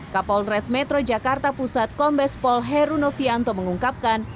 kapolres metro jakarta pusat kombespol herunovianto mengungkapkan